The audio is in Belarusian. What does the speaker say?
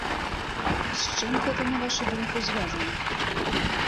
І з чым гэта, на вашу думку, звязана?